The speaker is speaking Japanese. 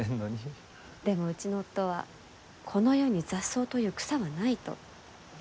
でもうちの夫は「この世に雑草という草はない」と。